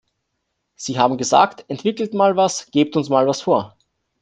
Sie haben gesagt, entwickelt mal was, gebt uns mal was vor!